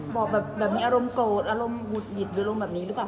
บอกแบบมีอารมณ์โสดอารมณ์หุดหงิดหรืออารมณ์แบบนี้หรือเปล่า